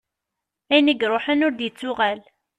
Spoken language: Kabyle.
Ayen i iruḥen ur d-yettuɣal.